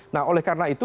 nah oleh karena itu